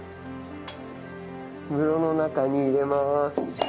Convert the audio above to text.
室の中に入れます。